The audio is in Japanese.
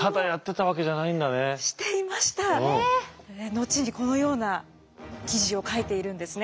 後にこのような記事を書いているんですね。